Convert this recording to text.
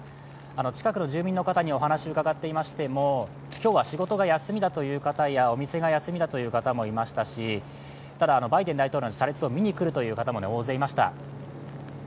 近くの住民の方にお話を伺っていましても、今日は仕事が休みだという方やお店が休みだという方もいましたし、ただバイデン大統領の車列を見に来るという方も大勢いました。